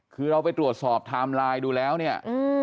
คือเราไปตรวจสอบไทม์ไลน์ดูแล้วเนี่ย